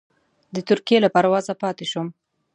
د ترکیې له پروازه پاتې شوم.